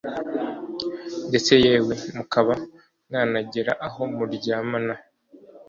ndetse yewe mukaba mwanagera aho muryamana